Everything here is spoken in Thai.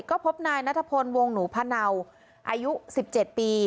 ก็พบนายนัทพลวงหนูพะเนาอายุ๑๗ปี